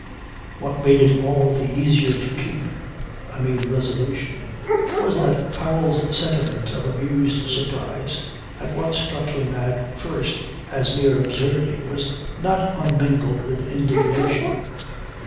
What made it all the easier to keep I mean the resolution was that Powell's sentiment of amused surprise at what struck him at first as mere absurdity was not unmingled with indignation.